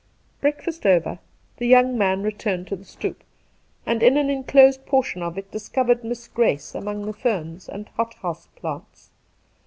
Breakfast over, the young man returned to the Two Christmas Days 201 stoep, and in an enclosed portion of it discovered Miss Grace among the ferns and hot house plants.